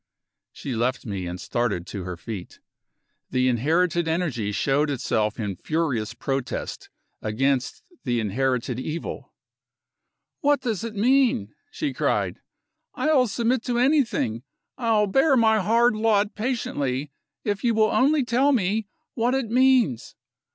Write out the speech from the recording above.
She left me, and started to her feet. The inherited energy showed itself in furious protest against the inherited evil. "What does it mean?" she cried. "I'll submit to anything. I'll bear my hard lot patiently, if you will only tell me what it means.